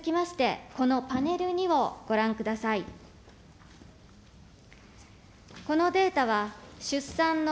では続きまして、このパネル２をご覧ください。